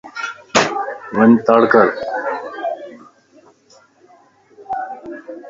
وڃ تڙڪَر